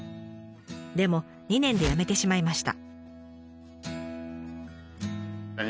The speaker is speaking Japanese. でも２年で辞めてしまいました。